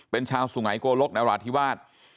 เป็นชาวสุงัยโกลกนราธิวาส